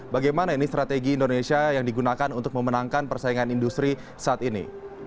bagaimana ini strategi indonesia yang digunakan untuk memenangkan persaingan industri saat ini